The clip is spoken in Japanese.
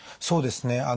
そうですね。